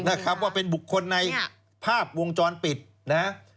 นะครับว่าเป็นบุคคลในภาพวงจรปิดนะฮะ